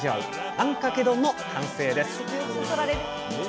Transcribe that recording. あんかけ丼の完成です！